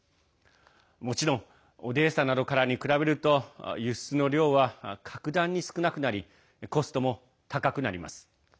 もちろんオデーサなどからと比べると輸出量は格段に少なくなりコストも高くなります。